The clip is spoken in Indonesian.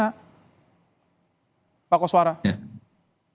apakah ini bisa mudah pengawasan kepada bus atau p o bus yang seperti ini bagaimana